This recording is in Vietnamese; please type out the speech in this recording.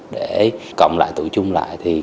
để cộng lại tụi chung lại